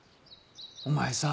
お前さ